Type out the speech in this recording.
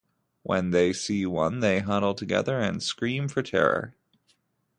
When they see one, they huddle together and scream for terror.